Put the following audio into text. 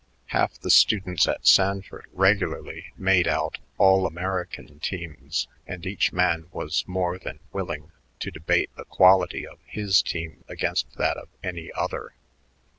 Half the students at Sanford regularly made out "All American" teams, and each man was more than willing to debate the quality of his team against that of any other.